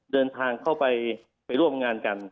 เดินทางเข้าไปร่วมงานกัน